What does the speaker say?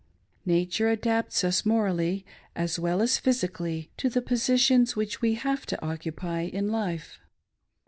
Nature adapts us morally, as well as physically, to the positions Which we have to occupy in life.